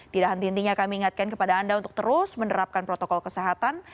tidak henti hentinya kami ingatkan kepada anda untuk terus menerapkan protokol kesehatan